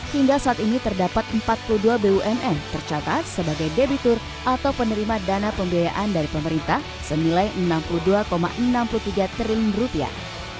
hingga saat ini terdapat empat puluh dua bumn tercatat sebagai debitur atau penerima dana pembiayaan dari pemerintah senilai enam puluh dua enam puluh tiga triliun rupiah